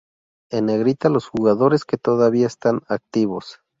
En Negrita los jugadores que todavía están activos.